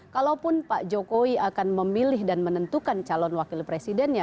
kalaupun pak jokowi akan memilih dan menentukan calon wakil presidennya